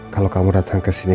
kalau kamu datang kesini